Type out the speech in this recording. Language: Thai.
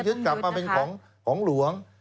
กลับมาเป็นของหลวง